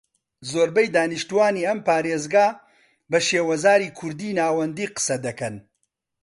زۆربەی دانیشتوانی ئەم پارێزگا بە شێوەزاری کوردیی ناوەندی قسە دەکەن